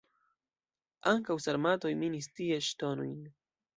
Ankaŭ sarmatoj minis tie ŝtonojn.